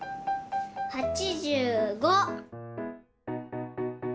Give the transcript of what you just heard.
８５！